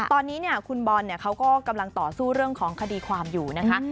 ตอนนี้คุณบอลเขาก็กำลังต่อสู้เรื่องของคดีความอยู่นะคะ